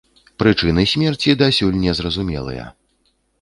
Прычыны смерці дасюль не зразумелыя.